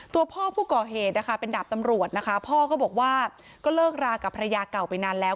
ตัวพ่อผู้ก่อเหตุนะคะเป็นดาบตำรวจนะคะพ่อก็บอกว่าก็เลิกรากับภรรยาเก่าไปนานแล้ว